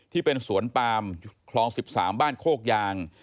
ที่เป็นสวนปามคลอง๑๓บ้านโคกยาง